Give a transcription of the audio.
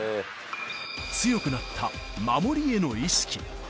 強くなった守りへの意識。